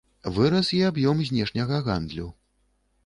Вырас і аб'ём знешняга гандлю.